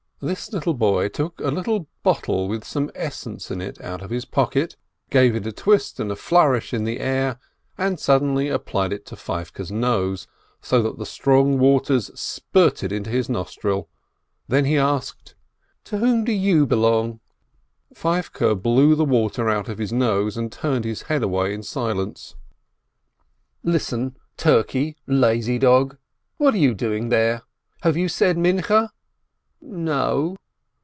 This little boy took a little bottle with some essence in it out of his pocket, gave it a twist and a flourish in the air, and suddenly applied it to Feivke's nose, so that the strong waters spurted into his nostril. Then he asked : "To whom do you belong ?" Feivke blew the water out of his nose, and turned his head away in silence. "Listen, turkey, lazy dog ! What are you doing there ? Have you said Minchah?" "N no